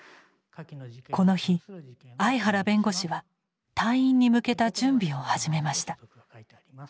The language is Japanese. この日相原弁護士は退院に向けた準備を始めました。